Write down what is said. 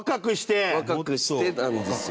高橋：若くしてなんですよ。